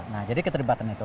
nah jadi keteribatan itu